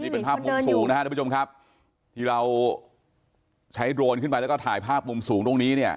เป็นภาพมุมสูงนะครับทุกผู้ชมครับที่เราใช้โดรนขึ้นไปแล้วก็ถ่ายภาพมุมสูงตรงนี้เนี่ย